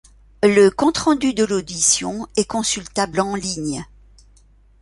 Le compte rendu de l'audition est consultable en ligne.